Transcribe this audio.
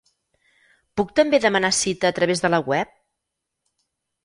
Puc també demanar cita a través de la web?